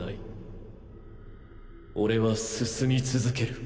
オレは進み続ける。